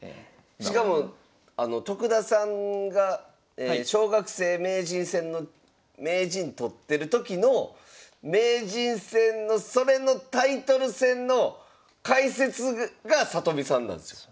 しかも徳田さんが小学生名人戦の名人取ってる時の名人戦のそれのタイトル戦の解説が里見さんなんですよ。